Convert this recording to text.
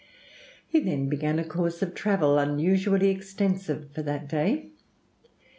He then began a course of travel, unusually extensive for that day.